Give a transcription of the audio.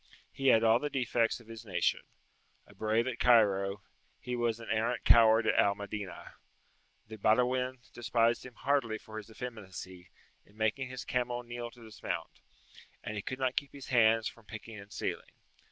He had all the defects of his nation; a brave at Cairo, he was an arrant coward at Al Madinah; the Badawin despised him heartily for his effeminacy in making his camel kneel to dismount, and he could not keep his hands from picking and stealing.